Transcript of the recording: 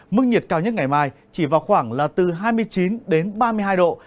mức nhiệt cao nhất ngày mai chỉ vào khoảng là từ hai mươi chín đến ba mươi hai độ